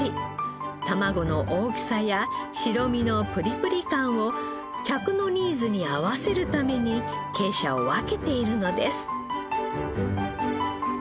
たまごの大きさや白身のプリプリ感を客のニーズに合わせるために鶏舎を分けているのです。